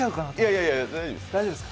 いやいや、大丈夫です。